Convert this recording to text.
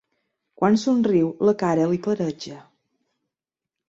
Quan somriu, la cara li clareja.